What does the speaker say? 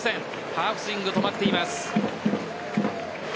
ハーフスイング止まっています。